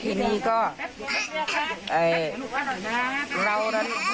แต่มันไม่มาได้